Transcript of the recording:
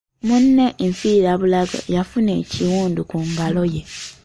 Munne enfiirabulago, yafuna ekiwundu ku ngalo ye.